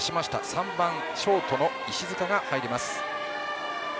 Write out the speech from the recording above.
３番・ショートの石塚が入ります。